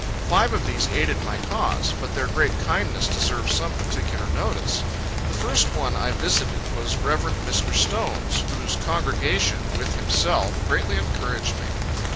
Five of these aided my cause; but their great kindness deserves some particular notice. The first one I visited was Rev. Mr. Stone's, whose congregation, with himself, greatly encouraged me.